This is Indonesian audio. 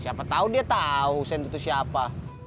siapa tahu dia tahu husen itu siapa